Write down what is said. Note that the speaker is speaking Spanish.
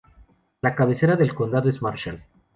La cabecera del condado es Marshall.